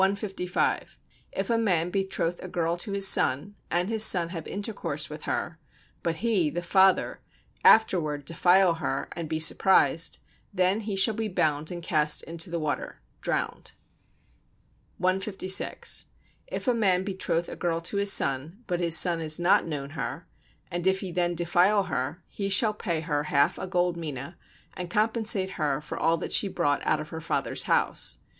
155. If a man betroth a girl to his son, and his son have intercourse with her, but he [the father] afterward defile her, and be surprised, then he shall be bound and cast into the water [drowned]. 156. If a man betroth a girl to his son, but his son has not known her, and if then he defile her, he shall pay her half a gold mina, and compensate her for all that she brought out of her father's house.